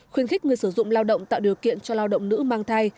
khuyến khích người sử dụng lao động tạo điều kiện cho lao động nữ mang thai